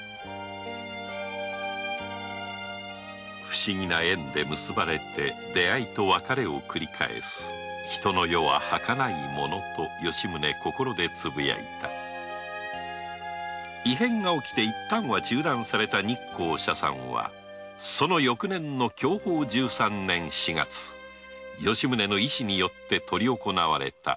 不思議な縁で結ばれて出会いと別れを繰り返す人の世ははかないものと吉宗心でつぶやいた異変が起きていったんは中断された日光社参はその翌年の享保十三年四月吉宗の意志によって取り行われた